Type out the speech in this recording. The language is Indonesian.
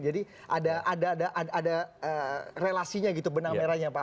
jadi ada relasinya gitu benang merahnya pak